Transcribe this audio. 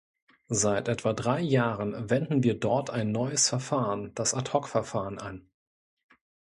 Seit etwa drei Jahren wenden wir dort ein neues Verfahren, das Ad-hoc-Verfahren, an.